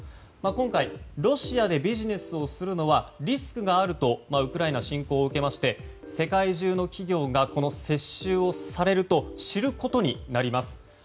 今回ロシアでビジネスをするのはリスクがあるとウクライナ侵攻を受けまして世界中の企業が接収をされると知ることになります。